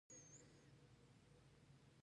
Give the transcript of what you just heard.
د موټر بیه له کیفیت سره اړه لري.